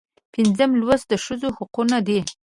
پنځم لوست د ښځو حقونه دي.